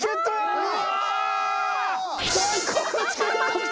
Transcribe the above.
うわ！